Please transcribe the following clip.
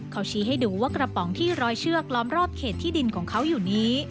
เขาชี้ให้ดูว่ากระป๋องที่ร้อยเชือกล้อมรอบเขตที่ดินของเขาอยู่นี้